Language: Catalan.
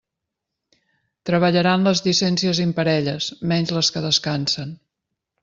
Treballaran les llicències imparelles, menys les que descansen.